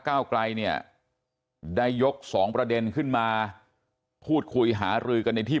ก้าวไกลเนี่ยได้ยกสองประเด็นขึ้นมาพูดคุยหารือกันในที่